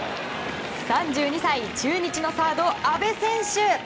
３２歳、中日のサード阿部選手。